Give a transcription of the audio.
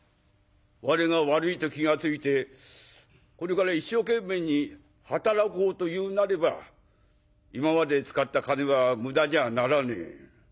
我が悪いと気が付いてこれから一生懸命に働こうというなれば今まで使った金は無駄にはならねえ。